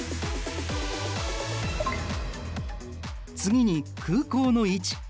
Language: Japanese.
次に空港の位置。